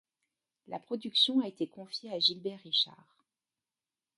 La production a été confiée à Gilbert Richard.